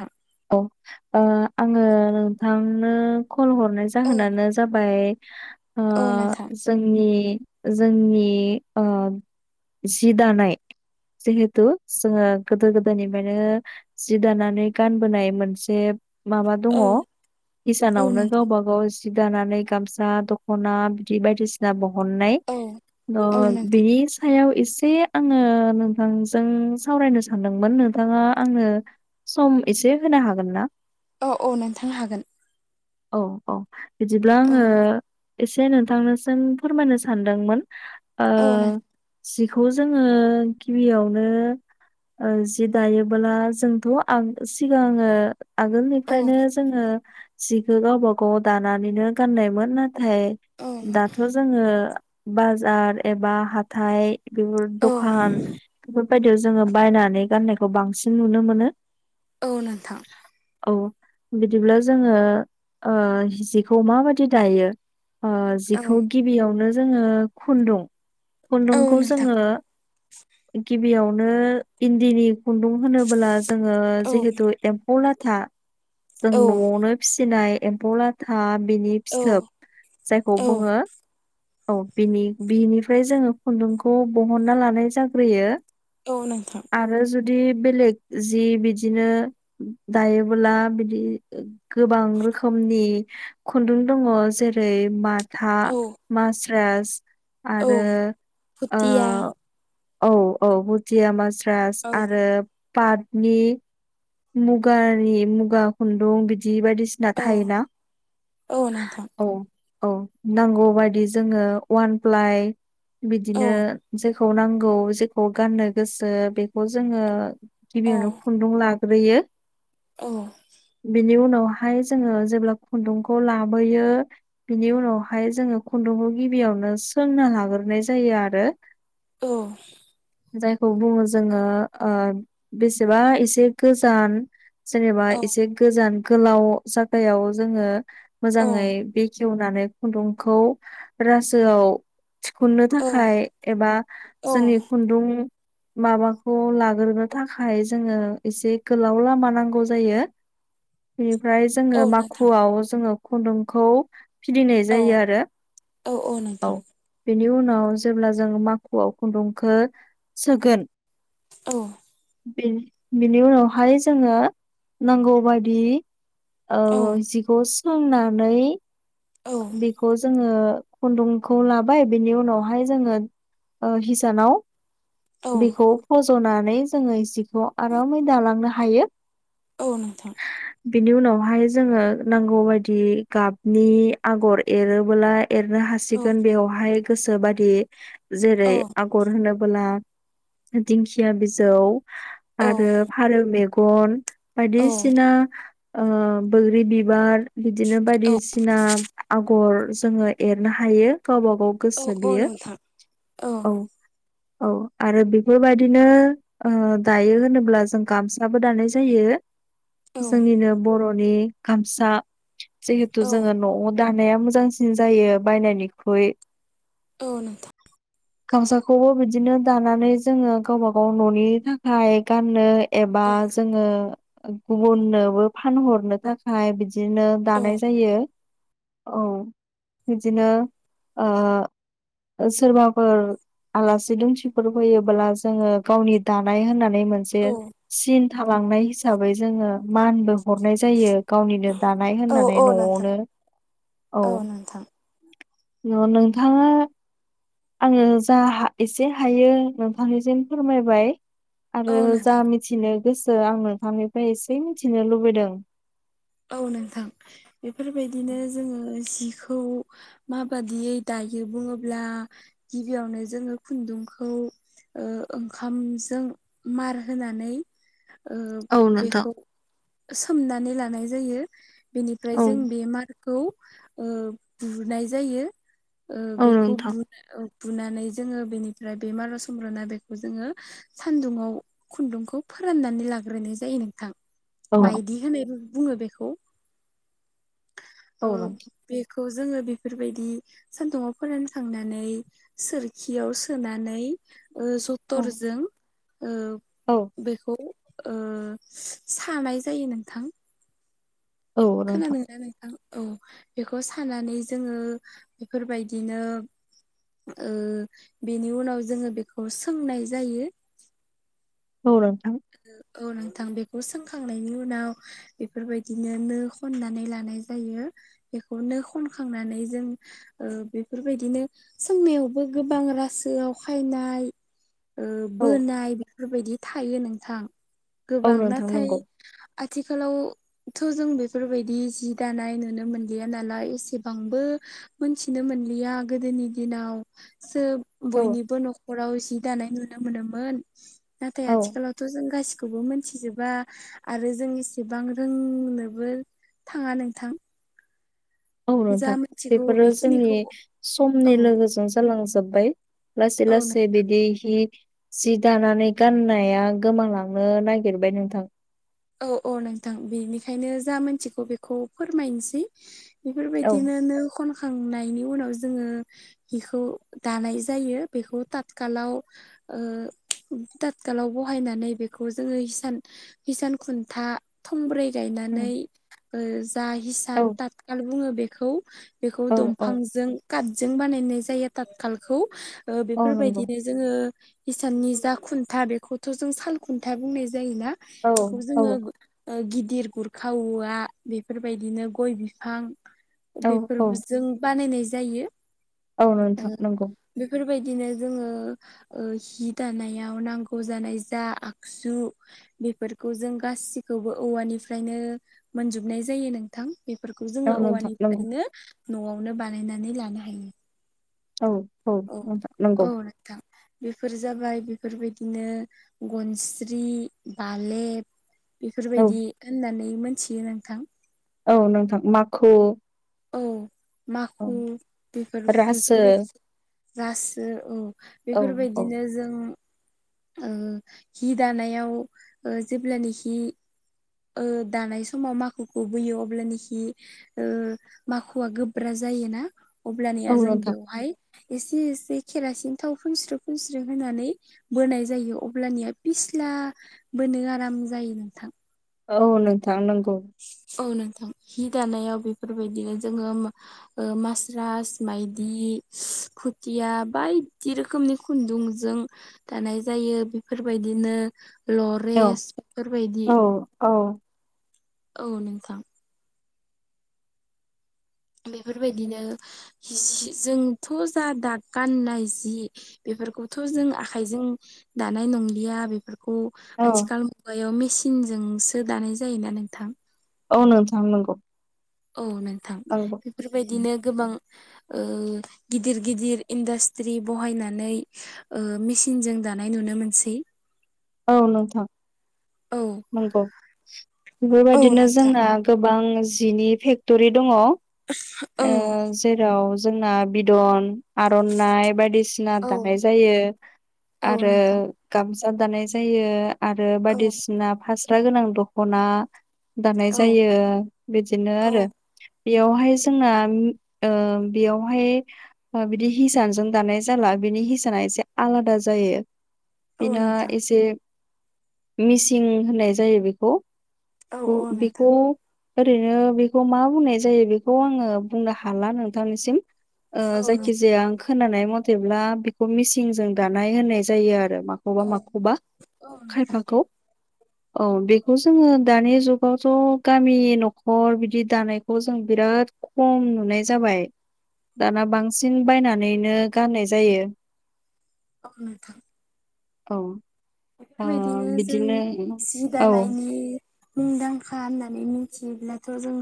औ औ ओ आङो नोंथांनो कल हरनाय जाहोनानो जाबाय ओ औ नोंथां जोंनि जोंनि ओ जि दानाय जिहेथु जोङो गोदो गोदायनिफ्रायनो जि दानानै गानबोनाय मोनसे माबा दङ औ औ किसानावनो नोंथां गावबा गाव सि दानानै गामसा दख'ना बिदि बायदिसिना बहननाय औ ओ औ नोंथां बिस सायाव एसे आङो नोंथांजों सावरायनो सानदोंमोन नोंथाङा आंनो सम एसे होनो हागोन ना औ औ नोंथां हागोन औ औ बिदिब्ला औ आङो एसे नोंथांनोसिम फोरमायनो सानदोंमोन ओ औ नों जिखौ जोङो गिबियावनो ओ जि दायोबोला जोंथ' आं सिगाङो औ आगोलनिफ्रायनो जोङो सिखौ गावबा गाव दानानैनो गाननायमोन नाथाय औ दाथ' जोङो बाजार एबा हाथाइ बेफोर औ दखान बेफोरबायदियाव जोङो बायनानै गाननायखौ बांसिन नुनो मोनो औ नोंथां औ बिदिब्ला जोङो ओ जिखौ माबायदि दायो ओ औ जिखौ गिबियावनो जोङो खुन्दुं औ खुन्दुंखौ नोंथां जोङो गिबियावनो इन्दिनि खुन्दुं होनोब्ला जोङो औ जिहेथु एम्फौ लाथा जों औ न'आवनो फिसिनाय एम्फौ लाथा बिनि औ फिथोब जायखौ औ बुङो औ बिनि बिनिफ्राय जोङो खुन्दुंखौ बहनना लानाय जाग्रोयो औ नोंथां आरो जुदि बेलेग जि बिदिनो दायोबोला बिदि गोबां रोखोमनि खुन्दुं दङ जेरै माथा औ मास्रास औ आरो ओ फुथिया औ औ भुदिया माज्रास औ आरो पार्टनि मुगानि मुगा खुन्दुं बिदि बायदिसि ना औ थायोना औ नोंथां औ औ नांगौ बायदि जोङो वान प्लाइ औ बिदिनो जेखौ नांगौ जेखौ गाननो गोसो बेखौ जोङो औ गिबियावनो खुन्दुं लाग्रोयो औ बिनि उनावहाय जोङो जेब्ला खुन्दुंखौ लाबोयो बिनि उनावहाय जोङो खुन्दुंखौ गिबियावनो सोंना लाग्रोनाय जायो आरो औ जायखौ बुङो जोङो बेसेबा एसे गोजान जेनेबा औ एसे गोजान गोलाव जागायाव जोङो मोजाङै बे जवनानै खुन्दुंखौ रासोआव थिखननो औ थाखाय एबा औ जोंनि खुन्दुं माबाखौ लाग्रोनो थाखाय जोङो एसे गोलाव लामा नांगौ जायो बेनिफ्राय जोङो औ नोंथां माखुआव जोङो खुन्दुंखौ फिदिनाय औ जायो आरो औ औ नोंथां बेनि उनाव जेब्ला जों माखुआव खुन्दुंखौ सोगोन औ बिनि उनावहाय जोङो नांगौबादि औ जिखौ सोंनानै औ बेखौ जोङो खुन्दुंखौ लाबाय बिनि उनावहाय जोङो हिसानाव औ बेखौ फज'नानै जोङो जिखौ आरामै दालांनो हायो औ नोंथां बिनि उनावहाय जोङो नांगौबादि गाबनि आगर एरबोलाय एरनो औ हासिगोन बेयावहाय गोसो बादि जेरै औ आगर होनोब्ला दिंखिया बिजौ औ आरो फारौ मेगन औ बायदिसिना बैग्रि बिबार बिदिनो औ बायदिसिना आगर जोङो एरनो हायो गावबा गाव औ गोसो औ बेयो नोंथां औ औ आरो बेफोरबायदिनो दायो होनोब्ला जों गामसाबो दानाय जायो औ जोंनिनो बर' मानि गामसा जेहेतु औ जोङो न'आव दानाया मोजांसिन जायो बायनायनिख्रुइ औ नोंथां गामसाखौबो बिदिनो दानानै जोङो गावबा गाव न'नि थाखाय गाननो एबा औ जोङो गुबुननोबो फानहरनो थाखाय बिदिनो औ दानाय जायो औ बिदिनो ओ सोरबाफोर आलासि दुमसिफोर होयोबोला जोङो गावनि दानाय होननानै मोन मोनसे औ सिन थालांनाय हिसाबै जोङो मानबो हरनाय जायो गावनिनो दानाय औ होननानै औ नोंथां न'आवनो औ नोंथाङा आङो जा एसे हायो नोंथांनिसिम फोरमायबाय औ आरो जा नोंथां मिथिनो गोसो आं नोंथांनिफ्राय एसे मिथिनो लुबैदों औ नोंथां बेफोरबायदिनो जोङो जिखौ खौ माबादियै दायो बुङोब्ला गिबियावनो जोङो खुन्दुंखौ ओंखामजों मार होनानै औ नोंथां बेखौ सोमनानै लानाय जायो बेनिफ्राय औ जों बे मार खौ बुनाय जायो औ बेखौ नोंथां। बु बुनानै जोङो बेनिफ्राय बे मार आव सोमब्र'ना बेखौ जोङो सान्दुङाव खुन्दुंखौ फोराननानै लाग्रोनाय जायो नोंथां औ मायदि होननाय बुङो बेखौ ओ नोंथां बेखौ जोङो बेफोरबायदि सान्दुं आव फोरान खांनानै सोरखियाव सोनानै जथरजों ओ औ बेखौ ओ सानाय जायो नोंथां औ नोंथां खोनादोंना नोंथां औ बेखौ सानानै जोङो बेफोरबायदिनो बेनि उनाव जोङो बेखौ सोंनाय जायो औ नोंथां औ नोंथां बेखौ सोंखांनायनि उनाव बेफोरबायदिनो नो खननानै लानाय जायो बेखौनो खनखांनानै जों बेफोरबायदिनो सोंनायावबो गोबां रासो आव खायनाय ओ औ बोनाय बेफोरबायदि थायो नोंथां गोबां औ नोंथां नाथाय नंगौ आथिखालाव थ' जों बेफोरबायदि जि दानाय नुनो मोनलिया नालाय एसेबांबो मोनथिनो मोनलिया गोदोनि दिनाव सोब औ बयनिबो न'खराव जि दानाय नुनो मोनोमोन नाथाय औ आथिखालाव जों गासिखौबो मोनथिजोबा आरो जों इसेबां रोंनोबो थाङा नोंथां। औ जा नोंथां मिथिगौ बेफोरो जोंनि बेखिनिखौ औ समनि लोगोजों जालांजोबबाय लासै औ लासै बिदिहि जि दानानै गाननाया गोमालांनो नागिरबाय नोंथां। औ औ नोंथां बेनिखायनो जा मोनथिगौ बेखौ फोरमायसै। औ बेफोरबायदिनो नो खनखांनायनि उनाव जोङो हिखौ दानाय जायो बेखौ थातखालाव ओ तातखालाव बहायनानै बेखौ जोङो हिसान हिसान खुन्था थंब्रै गायनानै ओ जा हिसान औ था [unintelligible] बुङो बेखौ बेखौ औ औ दंफांजों काटजों बानायनाय जायो ताथखालखौ ओ औ नंगौ बेफोरबायदिनो जोङो हिसाननि जा खुन्था बेखौथ' जों साल खुन्था बुंनाय जायोना। औ बेखौ औ जोङो ओ गिदिर गुरखा [unintelligible] बेफोरबायदिनो गय बिफां। औ औ बेफोरजों बानायनाय जायो। औ नोंथां नोंगौ। बेफोरबायदिनो जोङो ओ हि दानायाव नांगौ जानाय जा आगजु बेफोर खौ जों गासिखौबो औवानिफ्रायनो मोनजोबनाय जायो नोंथां। बेफोरखौ औ जोङो नोंथां नंगौ औवानिफ्रायनो न'आवनो बानायनानै लानो हायो। औ औ न नंगौ। थां बेफोर जाबाय बेफोरबायदिनो गनस्रि बालेब। औ बेफोरबायदि होननानै मोनथियो नोंथां। औ नोंथां माखु। औ औ माखु बेफोर रासो बेफोरबायदि गासो औ औ औ बेफोरबायदिनो जों ओ हि दानायाव ओ जेब्लानो हि ओ दानाय समाव माखुखौ बोयो अब्लानोखि ओ माखुवा गोब्रा जायोना अब्लानिया औ जों नोंथां बेवहाय एसे एसे खेरसिन थाव फुनस्रो फुनस्रो होनानै बोनाय जायो अब्लानिया फिस्ला बोनो आराम जायो नोंथां। औ नोंथां नोंगौ। औ नोंथां हि दानायाव बेफोरबायदिनो जोङो ओ मासरास मायदि खुथिया बायदि रोखोमनि खुन्दुंजों दानाय जायो बेफोरबायदिनो औ लरेस बेफोरबायदि। औ औ। औ नोंथां। बेफोरबायदिनो [unintelligible] जोंथ' जा दा गाननाय जि बेफोरखौथ' जों आखाइजों दानाय नंलिया बेफोरखौ। औ आथिखाल मुगायाव मेसिनजोंसो दानाय जायोना नोंथां। औ नोंथां नंगौ। औ नोंथां नंगौ बेफोरबायदिनो गोबां। ओ गिदिर गिदिर इन्डास्ट्रि बहायनानै ओ-मेसिनजों दानाय नुनो मोनसै। औ नोंथां औ नंगौ औ बेफोरबायदिनो नोंथां जोंना। गोबां जिनि फेक्टरि दङ। ओ- औ जेराव जोंना बिदन आर'नाइ बायदिसिना औ दानाय जायो औ आरो नोंथां गामसा दानाय जायो। जायो आरो औ बायदिसिना फास्रा गोनां दखना। दानाय औ जायो बिदिनो औ आरो। बेयावहाय जोंना ओ-बेयावहाय बिदि हिसानजों दानाय जाला बिनि हिसाना एसे आलादा जायो। औ बिना नोंथां एसे मिसिं होननाय जायो बेखौ। औ औ [unintelligible] बिखौ नोंथां ओरैनो बेखौ मा बुंनाय जायो बेखौ आङो बुंनो हाला नोंथांनिसिम। औ नोंथां जायखिजाया आं खोनानाय मथेब्ला बेखौ मिसिंजों दानाय होननाय जायो आरो मा मखौबा औ माखौबा औ नोंथां खायफाखौ औ बेखौ जोङो। दानि जुगावथ' गामि न'खर बिदि दानायखौ जों बिराद खम नुनाय जाबाय दाना बांसिन बायनानैनो गाननाय जायो। अ नोंथां। औ ओ बेफोरबायदिनो जों बिदिनो सि औ दानायनि मुंदांखा होननानै मिथियोब्लाथ' जों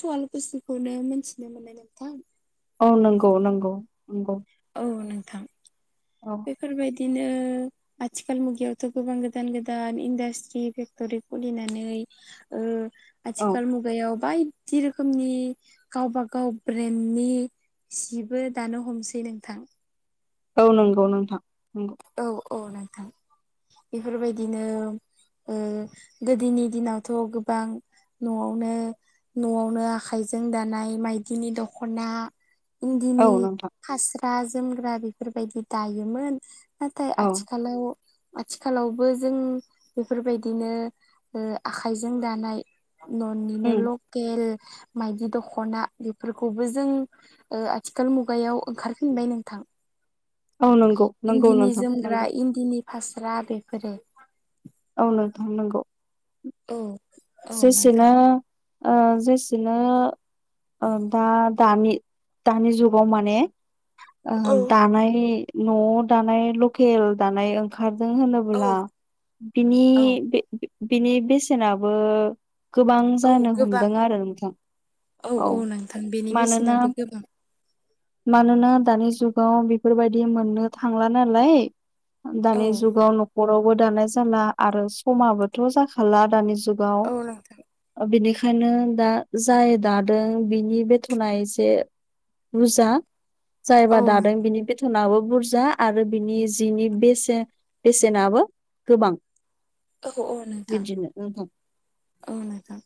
सुवल बुस्थुखौनो मोनथिनो मोननो नोंथां। औ नंगौ नंगौ नंगौ। औ नोंथां। औ बेफोरबायदिनो आथिखाल मुगायावथ' गोबां गोदान गोदान इन्डास्ट्रि फेक्ट'रि खुलिनानै। औ ओ-आथिखाल मु गायाव बायदि रोखोमनि गावब गाव ब्रेन्डनि। जिबो दानो हमसै नोंथां। औ नंगौ नोंथां नंगौ। औ औ नोंथां बेफोरबायदिनो ओ-गोदोनि दिनावथ' गोबां न'आवनो न'आवनो आखाइजों दानाय माइदिनि दख'ना। इन्दिनि औ नोंथां हास्रा जोमग्रा बेफोरबायदि दायोमोन। नाथाय औ आथिखालाव। आथिखालावबो जों बेफोरबायदिनो ओ- आखाइजों दानाय। न'निनो उम लकेल मायदि दख'ना बेफोरखौबो जों ओ-आथिखाल मुगायाव ओंखारफिनबाय नोंथां। औ नंगौ। नंगौ दिनि नोंथां जोमग्रा नंगौ इन्दिनि फास्रा बेफोरो। औ नोथां नांगौ। औ औ नोंथां जेसेनो ओ-जेसेनो ओ-दा दानि दानि जुगाव माने औ ओ- दानाय न' दानाय लकेल दानाय ओंखारजों होनोब् औ ब्ला औ बिनि बिनि बेसेनाबो गोबां औ जानो गोबां हमदों आरो नोंथां। औ औ नोंथां बेनि मानोना बेसेनाबो गोबां। मानोना दानि जुगाव बेफोरबायदि मोननो थांला नालाय। औ दानि जुगाव न'खरावबो दानाय जाला आरो समाबोथ' जाखाला दानि जुग गाव औ नोंथां बिनिखायनो दा जाय दादों बिनि बेथ'ना एसे बुजा जायबा औ दादों बिनि जोथोनाबो बुरजा आरो बिनि जिनि बेसेन बेसेनाबो गोबां। औ औ नोंथां बिदिनो नोंथां औ नोंथां।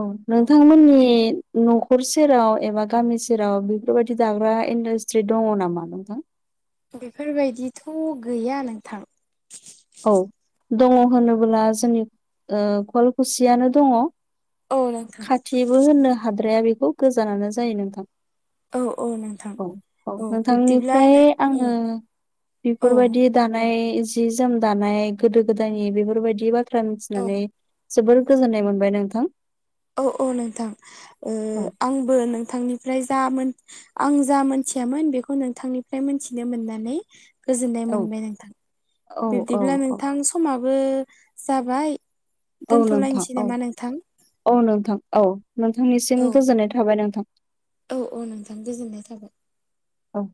औ नोंथांमोननि न'खर सेराव एबा गामि सेराव बेफोरबायदि दाग्रा इन्डासट्रि दंङो नामा नोंथां। बेफोरबायदिथ' गैया नोंथां। औ दंङो होनोब्ला जोंनि कुवालकुसियानो दंङो। औ नोंथां खाथिबो होननो हाद्राया बेखौ गोजानानो जायो नोंथां औ औ नोंथां औ औ बिब्दिब्ला नोंथांनिफ्राय औ औ आंङो बेफोरबायदि दानाय जि जोम दानाय गोदो गोदायनि बेफोरबायदि बाथ्रा औ मिथिनानै जोबोर गोजोननाय मोनबाय नोंथां। औ औ नोंथां औ आंबो नोंथांनि ओमफ्राय जा आं जा मोनथियामोन बेखौ नोंथांनिफ्राय मोनथिनो मोननानै गोजोननाय औ मोनबाय नोंथां औ बिब्दिब्ला औ नोंथां समाबो जाबाय औ नोंथां दोनथ'लायनोसै औ नामा नोंथां। औ नोंथां औ औ नोंथांनिसिम गोजोननाय थाबाय नोंथां औ औ नोंथां गोजोननाय थाबाय औ।